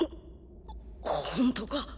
本当か？